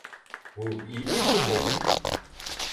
Bu iyi bir fikir mi?